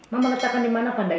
mama berikan panda kesayanganmu